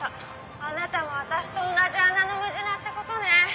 あなたも私と同じ穴のムジナってことね。